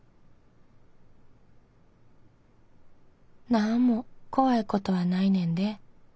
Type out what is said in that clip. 「なんも怖いことはないねんで。